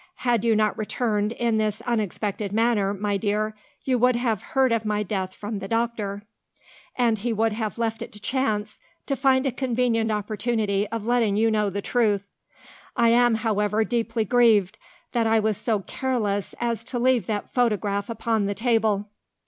Had you not returned in this unexpected manner, my dear, you would have heard of my death from the doctor, and he would have left it to chance to find a convenient opportunity of letting you know the truth. I am, however, deeply grieved that I was so careless as to leave that photograph upon the table."